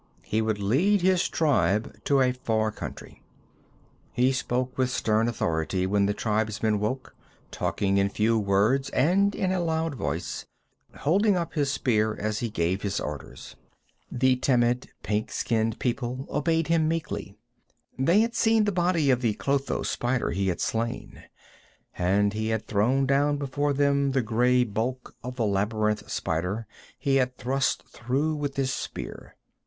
He would lead his tribe to a far country. He spoke with stern authority when the tribesmen woke, talking in few words and in a loud voice, holding up his spear as he gave his orders. The timid, pink skinned people obeyed him meekly. They had seen the body of the clotho spider he had slain, and he had thrown down before them the gray bulk of the labyrinth spider he had thrust through with his spear.